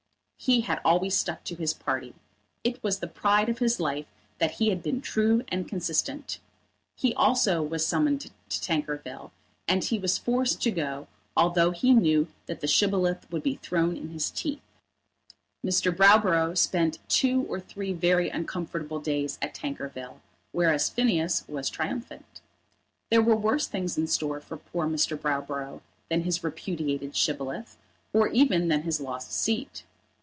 He had always stuck to his party. It was the pride of his life that he had been true and consistent. He also was summoned to Tankerville, and he was forced to go, although he knew that the Shibboleth would be thrown in his teeth. Mr. Browborough spent two or three very uncomfortable days at Tankerville, whereas Phineas was triumphant. There were worse things in store for poor Mr. Browborough than his repudiated Shibboleth, or even than his lost seat.